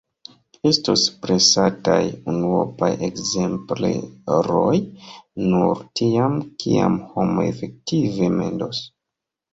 Estos presataj unuopaj ekzempleroj nur tiam, kiam homoj efektive mendos.